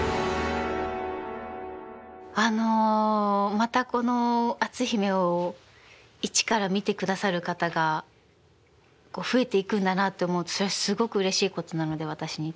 またこの「篤姫」を一から見てくださる方がこう増えていくんだなって思うとそれはすごくうれしいことなので私にとって。